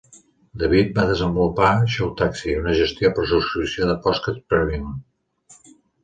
David va desenvolupar ShowTaxi, una gestió per subscripció de podcast prèmium.